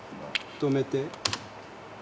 止めて。